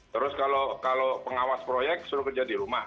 terus kalau pengawas proyek suruh kerja di rumah